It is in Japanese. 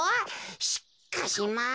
しっかしまあ